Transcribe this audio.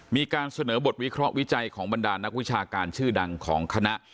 มีการเสนอบทวิเคราะห์วิจัยของบรรดานักวิชาการชื่อดังของคณะ